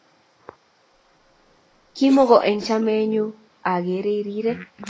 Kimoko eng chamet nyun aker irire